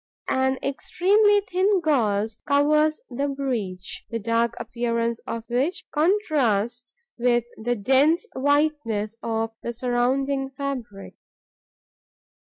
An extremely thin gauze covers the breach, the dark appearance of which contrasts with the dense whiteness of the surrounding fabric.